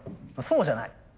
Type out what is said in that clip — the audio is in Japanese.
そうじゃない。